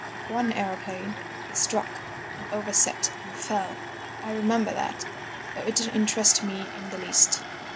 One aeroplane was struck, and overset and fell. I remember that—though it didn't interest me in the least.